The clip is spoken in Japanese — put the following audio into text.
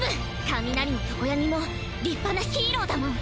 上鳴も常闇も立派なヒーローだもん。